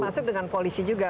termasuk dengan polisi juga